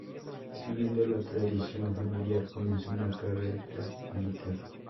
Siguiendo la tradición familiar, comenzó una carrera militar.